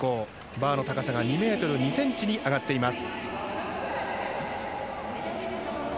バーの高さが２ｍ２ｃｍに上がっています。